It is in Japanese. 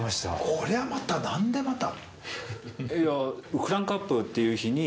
こりゃまた何でまた？